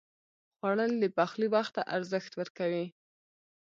خوړل د پخلي وخت ته ارزښت ورکوي